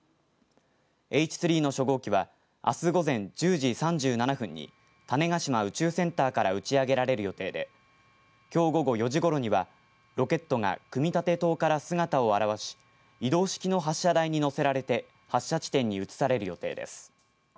Ｈ３の初号機はあす午前１０時３７分に種子島宇宙センターから打ち上げられる予定できょう午後４時ごろにはロケットが組み立て棟から姿を現し移動式の発射台に載せられて発射地点に移される予定です。